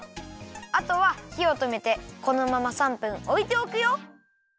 あとはひをとめてこのまま３分おいておくよ。